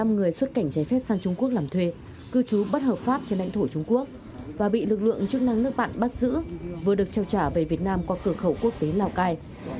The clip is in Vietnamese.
một mươi người xuất cảnh giấy phép sang trung quốc làm thuê cư trú bất hợp pháp trên lãnh thổ trung quốc và bị lực lượng chức năng nước bạn bắt giữ vừa được trao trả về việt nam qua cửa khẩu quốc tế lào cai